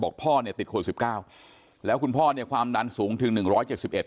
พ่อเนี่ยติดโควิดสิบเก้าแล้วคุณพ่อเนี่ยความดันสูงถึงหนึ่งร้อยเจ็ดสิบเอ็ด